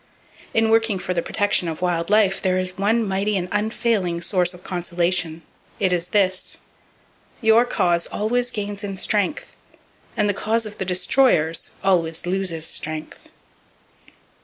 In working for the protection of wild life there is one mighty and unfailing source of consolation. It is this: Your cause always gains in strength, and the cause of the destroyers always loses strength!